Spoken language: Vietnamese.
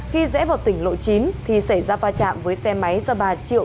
khi rẽ vào tỉnh lộ chín thì xảy ra pha chạm với xe máy do ba triệu